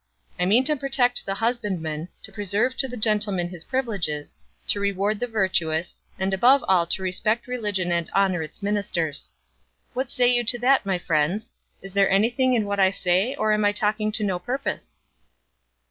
I mean to protect the husbandman, to preserve to the gentleman his privileges, to reward the virtuous, and above all to respect religion and honour its ministers. What say you to that, my friends? Is there anything in what I say, or am I talking to no purpose?"